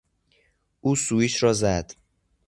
او سویچ را زد.